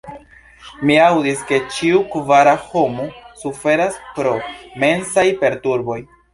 Mi aŭdis, ke ĉiu kvara homo suferas pro mensaj perturboj.